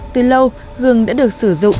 từ lâu gừng đã được sử dụng